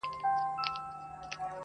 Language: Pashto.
په ساز جوړ وم، له خدايه څخه ليري نه وم.